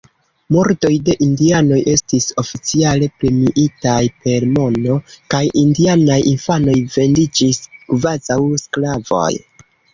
Murdoj de indianoj estis oficiale premiitaj per mono, kaj indianaj infanoj vendiĝis kvazaŭ sklavoj.